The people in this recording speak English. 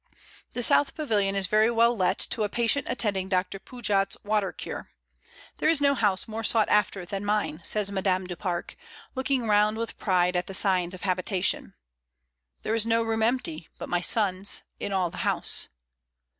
The South Pavilion is very well let to a patient attending Doctor Pujat's water cure. There is no house more sought after than mine," says Madame du Pare, looking round with pride at the signs of habitation. "There is no room empty, but my son's, in all the house."